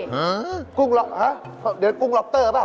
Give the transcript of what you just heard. หือกุ้งล็อหรือเดี๋ยวกุ้งล็อปเตอร์เปล่า